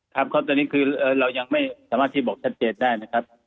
ครับครับตอนนี้คือเรายังไม่สามารถที่บอกชัดเจนได้นะครับ